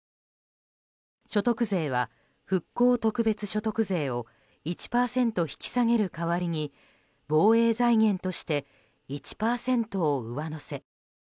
所得税は復興特別所得税を１％引き下げる代わりに防衛財源として１％を上乗せ。